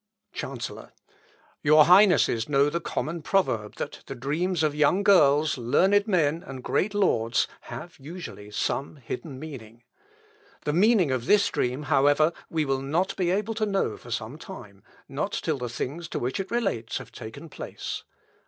Chancellor. "Your Highnesses know the common proverb, that the dreams of young girls, learned men, and great lords, have usually some hidden meaning. The meaning of this dream, however, we will not be able to know for some time; not till the things to which it relates have taken place.